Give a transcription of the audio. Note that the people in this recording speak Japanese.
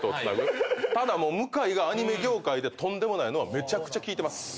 ただ向がアニメ業界でとんでもないのはめちゃくちゃ聞いてます。